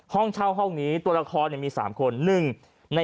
ห้องเช่าห้องนี้ตัวละครมี๓คน